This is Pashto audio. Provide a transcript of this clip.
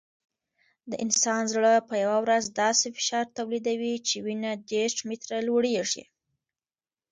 د انسان زړه په یوه ورځ داسې فشار تولیدوي چې وینه دېرش متره لوړېږي.